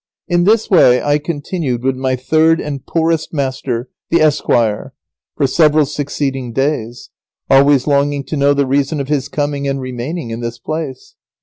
In this way I continued with my third and poorest master, the esquire, for several succeeding days, always longing to know the reason of his coming and remaining in this place.